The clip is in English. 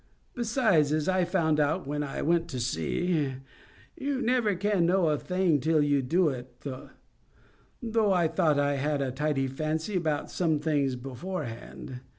Besides, as I found out when I went to sea, you never can know a thing till you do do it, though I thought I had a tidy fancy about some things beforehand.